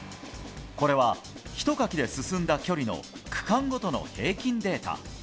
これは、ひとかきで進んだ距離の区間ごとの平均データ。